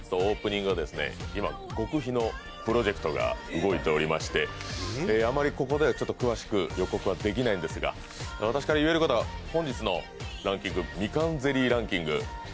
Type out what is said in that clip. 今、極秘のプロジェクトが動いておりまして、あまりここでは詳しくは予告はできないんですが私から言えることは、本日のランキング、みかんゼリーランキング。